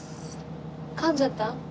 かんじゃった？